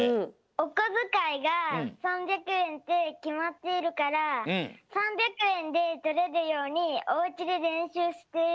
おこづかいが３００えんってきまっているから３００えんでとれるようにおうちでれんしゅうしているの。